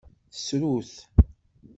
Tessru-t.